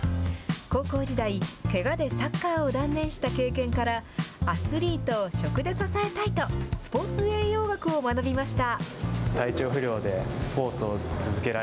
高校時代、けがでサッカーを断念した経験から、アスリートを食で支えたいと、スポーツ栄養学を学びました。